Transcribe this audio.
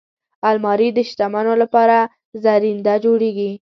الماري د شتمنو لپاره زرینده جوړیږي